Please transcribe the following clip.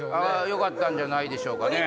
よかったんじゃないでしょうかね。